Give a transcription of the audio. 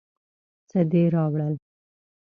څه دې راوړل؟